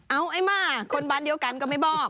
เอาไอ้มาคนบ้านเดียวกันก็ไม่บอก